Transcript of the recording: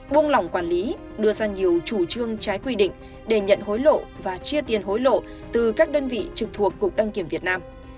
buông lỏng quản lý đưa ra nhiều chủ trương trái quy định để nhận hối lộ và chia tiền hối lộ từ các đơn vị trực thuộc cục đăng kiểm việt nam